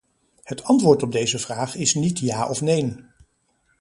Het antwoord op deze vraag is niet ja of neen.